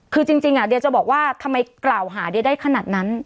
คือจริงเดียจะบอกว่าทำไมกล่าวหาเดียได้ขนาดนั้น